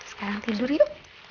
sekarang tidur yuk